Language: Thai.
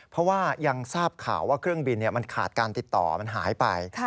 เพราะว่ายังทราบข่าวว่าเครื่องบินมันขาดการติดต่อมันหายไป